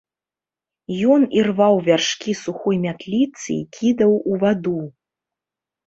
Ён ірваў вяршкі сухой мятліцы і кідаў у ваду.